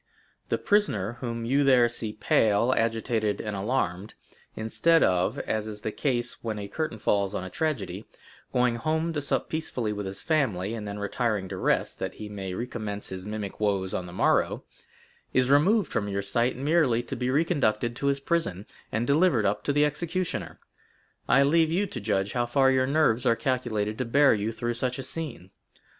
The prisoner whom you there see pale, agitated, and alarmed, instead of—as is the case when a curtain falls on a tragedy—going home to sup peacefully with his family, and then retiring to rest, that he may recommence his mimic woes on the morrow,—is removed from your sight merely to be reconducted to his prison and delivered up to the executioner. I leave you to judge how far your nerves are calculated to bear you through such a scene.